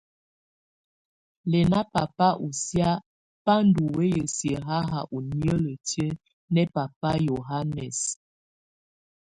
Lɛna baba ɔsia ba ndɔ wɛya siə haha ɔ nieleti nɛ baba Yohanɛs.